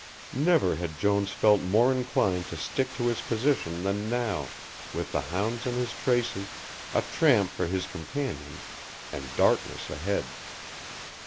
Never had Jones felt more inclined to stick to his position than now, with the hounds on his traces, a tramp for his companion, and darkness ahead.